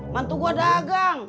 mantu gue dagang